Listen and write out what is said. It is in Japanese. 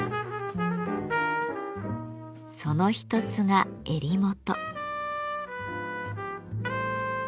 その一つが襟元。